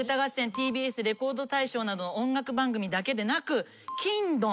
ＴＢＳ『レコード大賞』などの音楽番組だけでなく『欽ドン！』